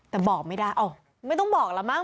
แต่บอกไม่ได้ไม่ต้องบอกละมั้ง